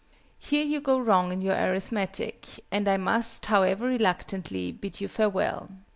Here you go wrong in your arithmetic, and I must, however reluctantly, bid you farewell.